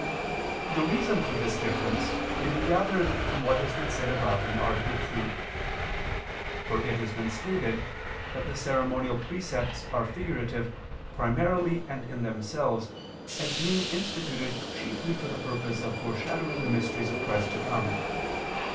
The reason for this difference may be gathered from what has been said above (A. 2). For it has been stated that the ceremonial precepts are figurative primarily and in themselves, as being instituted chiefly for the purpose of foreshadowing the mysteries of Christ to come.